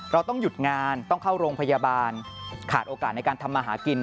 เราต้องหยุดงานต้องเข้าโรงพยาบาลขาดโอกาสในการทำมาหากิน